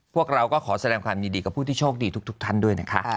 พวกเราก็ขอแสดงความยินดีกับผู้ที่โชคดีทุกท่านด้วยนะคะ